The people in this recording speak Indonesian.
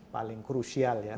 paling krusial ya